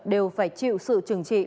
đều phải chịu sự trừng trị